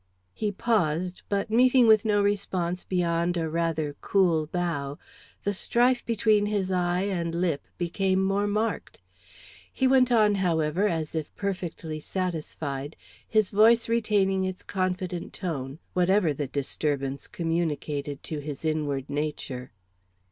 He paused, but meeting with no response beyond a rather cool bow, the strife between his eye and lip became more marked. He went on, however, as if perfectly satisfied, his voice retaining its confident tone, whatever the disturbance communicated to his inward nature.